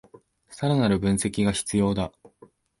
さらなる分析が必要だ